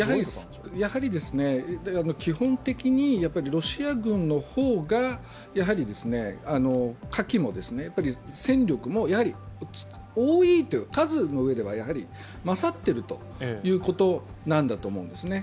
やはり基本的にロシア軍の方が火器も戦力も多い、数の上では勝っているということなんだと思うんですね。